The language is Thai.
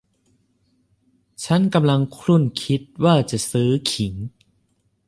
ฉันกำลังครุ่นคิดว่าจะซื้อขิง